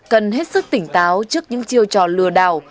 cần hết sức tỉnh táo trước những chiêu trò lừa đảo